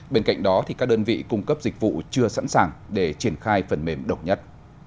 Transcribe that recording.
bên cạnh đó các đơn vị cung cấp dịch vụ chưa sẵn sàng để triển khai phần mềm độc nhất